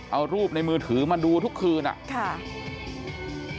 เอารูปในมือถือมาดูทุกคืนครับอย่างนี้อ่ะคือเช่นอยู่นี่